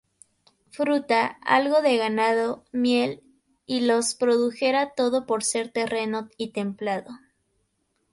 Fruta, algo de ganado, miel, y los produjera todo por ser terreno y templado.